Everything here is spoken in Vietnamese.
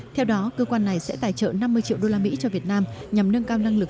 theo đó cơ quan này sẽ tài trợ năm mươi triệu đô la mỹ cho việt nam nhằm nâng cao năng lực